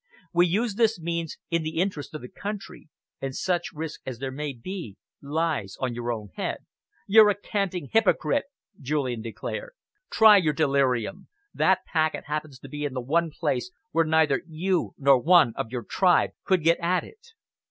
We use this means in the interests of the country, and such risk as there may be lies on your own head." "You're a canting hypocrite!" Julian declared. "Try your delirium. That packet happens to be in the one place where neither you nor one of your tribe could get at it."